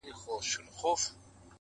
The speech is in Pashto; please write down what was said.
بېگا چي خوب باندې ليدلي گلابي لاسونه~